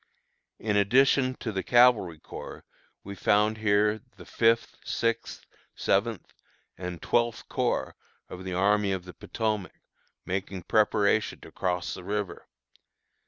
In addition to the Cavalry Corps we found here the Fifth, Sixth, Seventh, and Twelfth Corps of the Army of the Potomac, making preparation to cross the river.